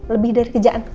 lebih dari kerjaan